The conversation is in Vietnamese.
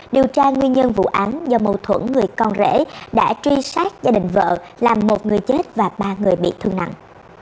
điều tra nguyên nhân vụ án do mâu thuẫn người con rể đã truy sát gia đình vợ làm một người chết và ba người bị thương nặng